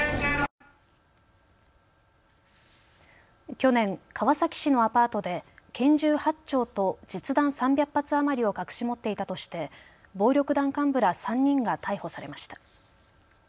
去年、川崎市のアパートで拳銃８丁と実弾３００発余りを隠し持っていたとして暴力団幹部ら３人が逮捕されました。